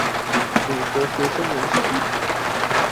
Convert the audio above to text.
美國學生人手一本